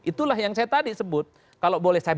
itulah yang saya tadi sebut kalau boleh saya